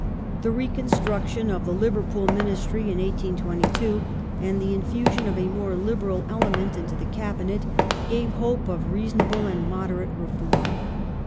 The reconstruction of the Liverpool Ministry in 1822 and the infusion of a more liberal ele ment into the Cabinet gave hope of reasonable and moderate re form.